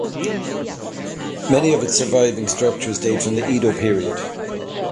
Many of its surviving structures date from the Edo period.